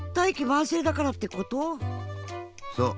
そう。